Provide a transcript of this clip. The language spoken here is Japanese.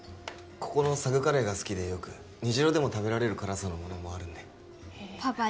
ここのサグカレーが好きでよく虹朗でも食べられる辛さのものもあるんでへえパパ